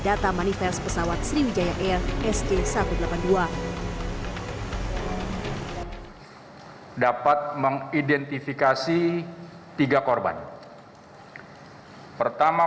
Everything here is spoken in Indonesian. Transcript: data manifest pesawat sriwijaya air sj satu ratus delapan puluh dua dapat mengidentifikasi tiga korban pertama